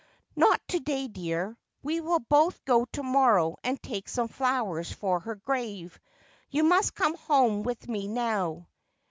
' Not to day, dear. We will both go to morrow, and take eome flowers for her grave. You must come home with me now.'